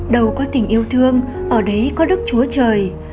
đầu có tình yêu thương ở đấy có đức chúa trời